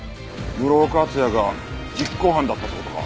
室岡厚也が実行犯だったって事か。